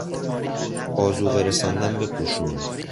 آذوقه رساندن به قشون